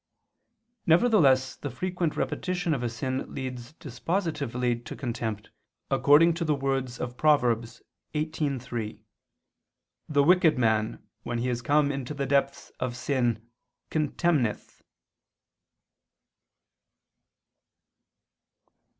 Nevertheless the frequent repetition of a sin leads dispositively to contempt, according to the words of Prov. 18:3, "The wicked man, when he is come into the depth of sins, contemneth."